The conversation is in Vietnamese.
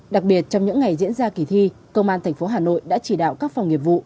đặc biệt trong những ngày diễn ra kỳ thi công an tp hà nội đã chỉ đạo các phòng nghiệp vụ